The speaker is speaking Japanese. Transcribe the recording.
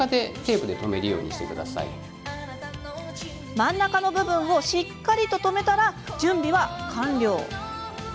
真ん中の部分をしっかりと留めたら準備は完了。